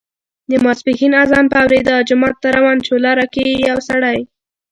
د ماسپښین اذان په اوریدا جومات ته روان شو، لاره کې یې یو سړی